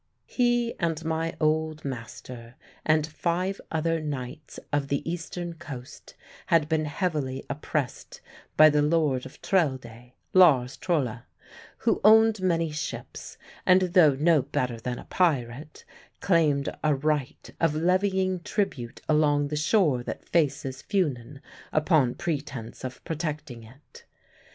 He and my old master and five other knights of the eastern coast had been heavily oppressed by the Lord of Trelde, Lars Trolle, who owned many ships, and, though no better than a pirate, claimed a right of levying tribute along the shore that faces Funen, upon pretence of protecting it.